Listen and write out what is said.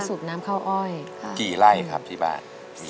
สูบน้ำข้าวอ้อยกี่ไร่ครับที่บ้าน